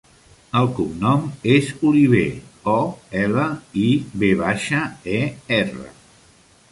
El cognom és Oliver: o, ela, i, ve baixa, e, erra.